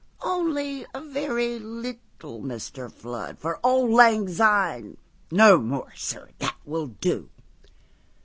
"Only a very little, Mr. Flood—For auld lang syne. No more, sir; that will do."